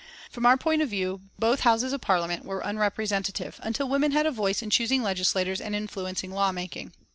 From our point of view both Houses of Parliament were unrepresentative until women had a voice in choosing legislators and influencing law making.